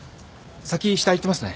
先下行ってますね。